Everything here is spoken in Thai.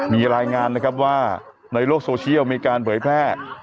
มีรายงานนะครับว่าในโลกโซเชียลมีการเผยแพร่